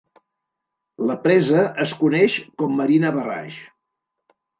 La presa es coneix com Marina Barrage.